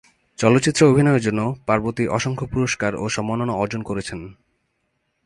চলচ্চিত্রে অভিনয়ের জন্য পার্বতী অসংখ্য পুরস্কার ও সম্মাননা অর্জন করেছেন।